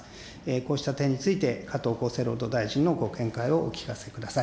こうした点について、加藤厚生労働大臣のご見解をお聞かせください。